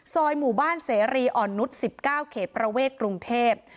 ซอยหมู่บ้านเสรีออนุส๑๙เขตประเวทกรุงเทพฯ